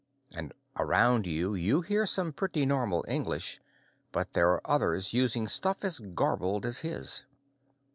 Around you, you hear some pretty normal English, but there are others using stuff as garbled as his.